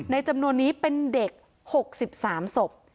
จำนวนนี้เป็นเด็ก๖๓ศพ